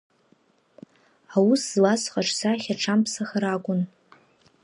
Аус злаз схаҿсахьа аҽамԥсахыр акәын.